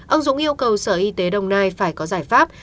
ông dũng yêu cầu sở y tế đồng nai phải có giải pháp